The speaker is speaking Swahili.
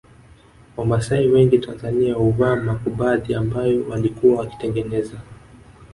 Wamasai wengi Tanzania huvaa makubadhi ambayo walikuwa wakitengeneza